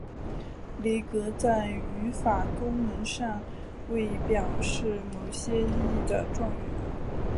离格在语法功能上为表示某些意义的状语。